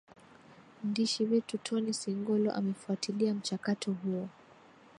ndishi wetu tony singolo amefuatilia mchakato huo